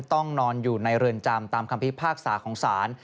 ต้องนอนอยู่ในเรือนจำตามคำพิพากษาของศาล